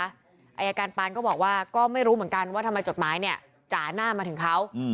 อายการปานก็บอกว่าก็ไม่รู้เหมือนกันว่าทำไมจดหมายเนี่ยจ่าหน้ามาถึงเขา